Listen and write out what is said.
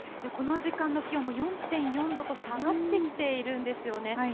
この時間の気温、もう４．４度と下がってきているんですよね。